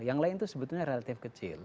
yang lain itu sebetulnya relatif kecil